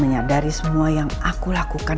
menyadari semua yang aku lakukan